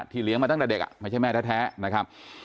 เลี้ยงมาตั้งแต่เด็กไม่ใช่แม่แท้นะครับ